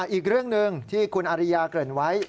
อีกเรื่องหนึ่งที่คุณอาริยาเกริ่นไว้